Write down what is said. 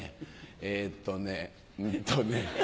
えっとねうんとね。